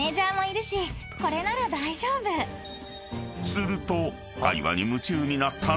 ［すると］